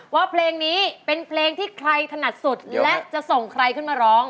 ว่าเพลงนี้เป็นเพลงที่ใครถนัดสุดและจะส่งใครขึ้นมาร้อง